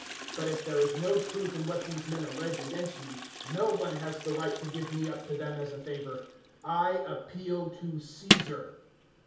But if there is no truth in what these men allege against me, no one has the right to give me up to them as a favour. I appeal to Caesar."